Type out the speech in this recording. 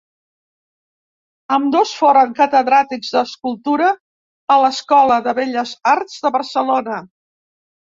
Ambdós foren catedràtics d'escultura a l'Escola de Belles Arts de Barcelona.